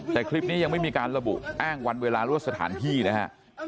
แต่คลิปนี้ยังไม่มีการระบุอ้างวันเวลาหรือว่าสถานที่นะฮะ